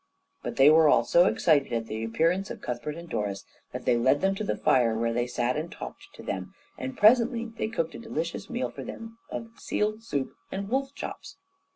But they were all so excited at the appearance of Cuthbert and Doris that they led them to the fire, where they sat and talked to them, and presently they cooked a delicious meal for them of seal soup and wolf chops.